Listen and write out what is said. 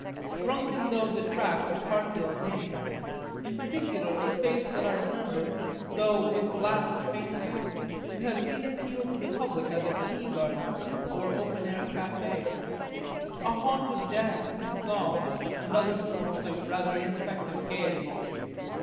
Shrunken though the tract a part of it remained in particular a space that I remember, though with the last faintness, to have seen appeal to the public as a tea garden or open air café, a haunt of dance and song and of other forms of rather ineffective gaiety.